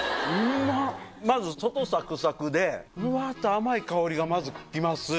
まず外サクサクでふわっと甘い香りがまず来ます。